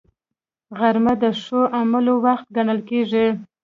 غرمه د ښو عملونو وخت ګڼل کېږي